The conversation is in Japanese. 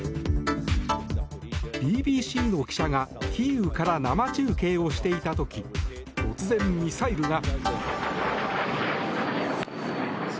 ＢＢＣの記者がキーウから生中継をしていた時突然、ミサイルが。